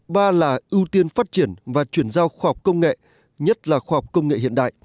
ba là ưu tiên phát triển và chuyển giao khoa học công nghệ nhất là khoa học công nghệ hiện đại